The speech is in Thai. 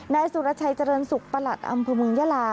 นายสุรชัยเจริญสุขประหลัดอำเภอเมืองยาลา